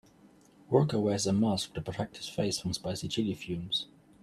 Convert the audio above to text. Worker wears a mask to protect his face from spicy chili fumes.